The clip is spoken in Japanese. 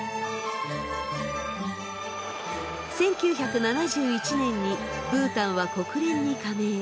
１９７１年にブータンは国連に加盟。